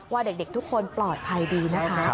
ว่าเด็กทุกคนปลอดภัยดีนะคะ